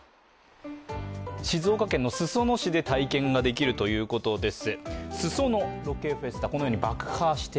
静岡県の裾野市で体験ができるということです。